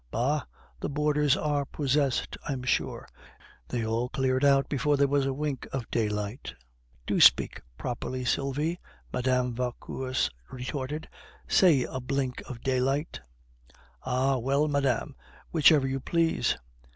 "Bah! the boarders are possessed, I'm sure. They all cleared out before there was a wink of daylight." "Do speak properly, Sylvie," Mme. Vauquer retorted; "say a blink of daylight." "Ah, well, madame, whichever you please.